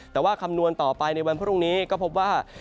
แต่ว่าคำนวณต่อไปในวันพรุ่งนี้ก็พบว่า